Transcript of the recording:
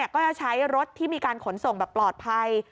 ก็จะใช้รถที่มีการขนส่งแบบปลอดภัย